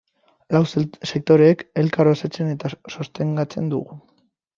Lau sektoreek elkar osatzen eta sostengatzen dugu.